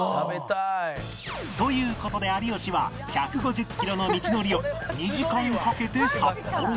という事で有吉は１５０キロの道のりを２時間かけて札幌へ